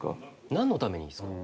なんのためにですか？